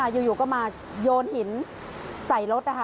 อยู่ก็มายนหินใส่รถ